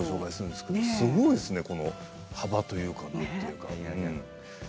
すごいですね幅というかなんというか。